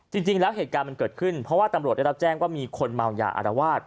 จริงแล้วเหตุการณ์มันเกิดขึ้นเพราะว่าตำรวจได้รับแจ้งว่ามีคนเมายาอารวาส